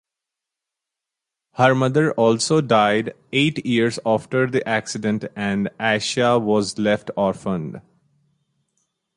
Her mother also died eight years after the accident and Asiya was left orphaned.